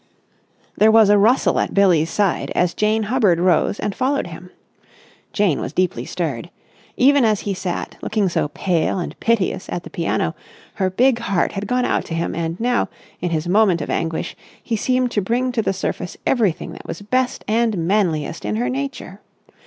There was a rustle at Billie's side as Jane Hubbard rose and followed him. Jane was deeply stirred. Even as he sat, looking so pale and piteous, at the piano, her big heart had gone out to him, and now, in his moment of anguish, he seemed to bring to the surface everything that was best and manliest in her nature.